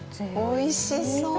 おいしそう。